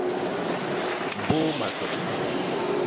Mbôô matop.